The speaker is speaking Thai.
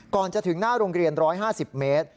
ก่อนจะถึงหน้าโรงเรียน๑๕๐เมตร